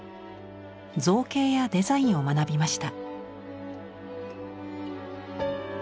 造形やデザインを学びました。